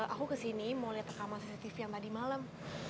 aku kesini mau liat rekaman cctv yang tadi malem